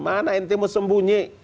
mana ente mau sembunyi